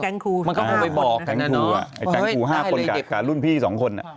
แก๊งครู๕คนแก๊งครู๕คนกับรุ่นพี่๒คน